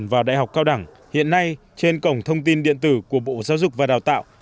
và đại học cao đẳng hiện nay trên cổng thông tin điện tử của bộ giáo dục và đào tạo